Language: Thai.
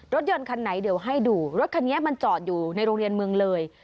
รถยนต์คันไหนเดี๋ยวให้ดูรถคันนี้มันจอดอยู่ในโรงเรียนเมืองเลย